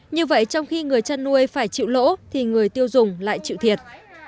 như vậy trong khi người chăn nuôi phải chịu lỗ thì người tiêu dùng lại chịu thiệt